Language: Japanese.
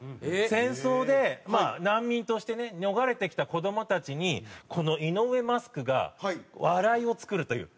戦争で難民としてね逃れてきた子どもたちにこの井上マスクが笑いを作るという。